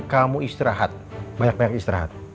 kamu istirahat banyak banyak istirahat